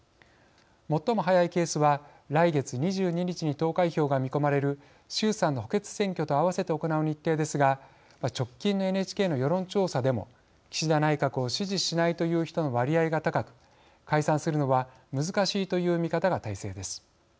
最も早いケースは来月２２日に投開票が見込まれる衆参の補欠選挙と合わせて行う日程ですが直近のＮＨＫの世論調査でも岸田内閣を支持しないという人の割合が高く解散するのは難しいという見方が大勢です。